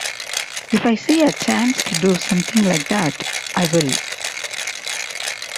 If I see a chance to do something like that, I will.